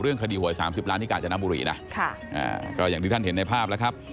เรื่องคดีหวย๓๐ล้านพิการจนบุรีนะ